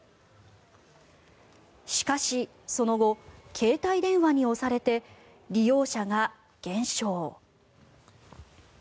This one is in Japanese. しかし、その後携帯電話に押されて利用者が減少。